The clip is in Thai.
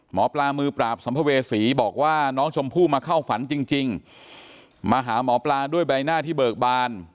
หมอปลามือปราบสัมภเวษีบอกว่าน้องชมพู่มาเข้าฝันจริงมาหาหมอปลาด้วยใบหน้าที่เบิกบาน